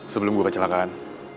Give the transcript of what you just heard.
sebelum gue kecelakaan